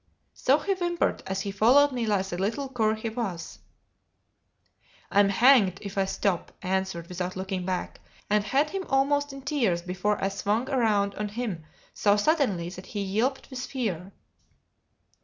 So he whimpered as he followed me like the little cur he was. "I'm hanged if I stop," I answered without looking back; and had him almost in tears before I swung round on him so suddenly that he yelped with fear.